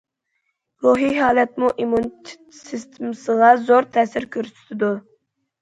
روھىي ھالەتمۇ ئىممۇنىتېت سىستېمىسىغا زور تەسىر كۆرسىتىدۇ.